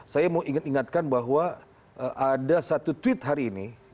saya mau ingatkan bahwa ada satu tweet hari ini